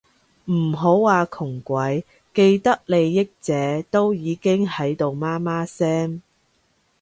唔好話窮鬼，既得利益者都已經喺度媽媽聲